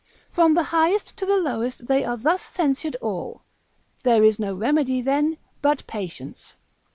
From the highest to the lowest they are thus censured all: there is no remedy then but patience.